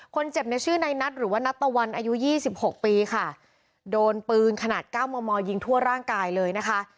คนเจ็บเนี่ยชื่อในนัทหรือว่านัทตะวันอายุยี่สิบหกปีค่ะโดนปืนขนาดเก้ามอมอยิงทั่วร่างกายเลยนะคะ